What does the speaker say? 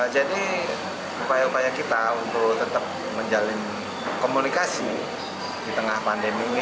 jadi upaya upaya kita untuk tetap menjalin komunikasi di tengah pandemi ini